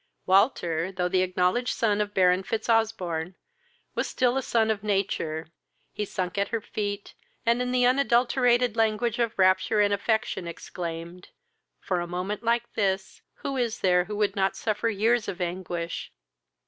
Walter, though the acknowledged son of Baron Fitzosbourne, was still a son of nature: he sunk at her feet, and in the unadulterated language of rapture and affection, exclaimed. "For a moment like this, who is there would not suffer years of anguish!